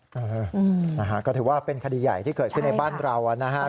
เออนะฮะก็ถือว่าเป็นคดีใหญ่ที่เกิดขึ้นในบ้านเรานะฮะ